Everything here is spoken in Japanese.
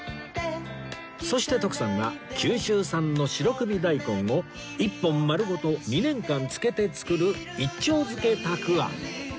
そして徳さんは九州産の白首大根を１本丸ごと２年間漬けて作る一丁漬たくあん